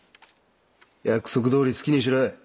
約束どおり好きにしろい。